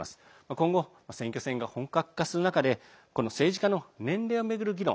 今後、選挙戦が本格化する中で政治家の年齢を巡る議論